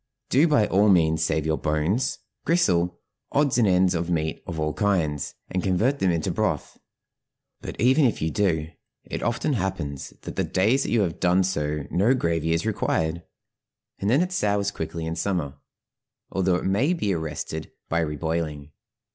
Do by all means save your bones, gristle, odds and ends of meat of all kinds, and convert them into broth; but even if you do, it often happens that the days you have done so no gravy is required, and then it sours quickly in summer, although it may be arrested by reboiling.